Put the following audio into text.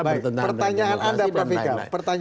bertentangan dengan indonesia